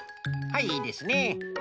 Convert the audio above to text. はいいいですね。